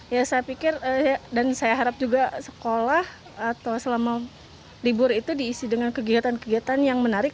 ya saya pikir dan saya harap juga sekolah atau selama libur itu diisi dengan kegiatan kegiatan yang menarik